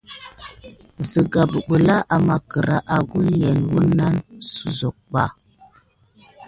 Sigan bibilà amà kera akulin kunane zukuɓa an.